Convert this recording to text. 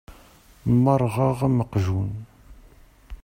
Merrɣeɣ am uqjun.